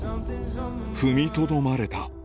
踏みとどまれた？